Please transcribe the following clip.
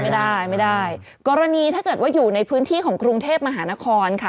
ไม่ได้ไม่ได้กรณีถ้าเกิดว่าอยู่ในพื้นที่ของกรุงเทพมหานครค่ะ